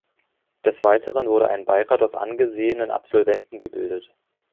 Des Weiteren wurde ein Beirat aus angesehenen Absolventen gebildet.